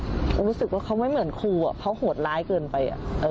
รู้สึกว่าเขาไม่เหมือนครูเขาโหดร้ายเกินไป